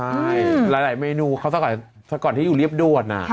ใช่หลายเมนูเพราะก่อนที่อยู่ลี๊บดวน